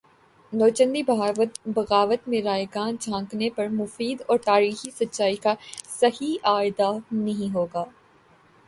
نوچندی بغاوت میں رائیگاں جھانکنے پر مفید اور تاریخی سچائی کا صحیح اعادہ نہیں ہو گا